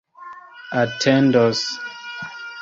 atendos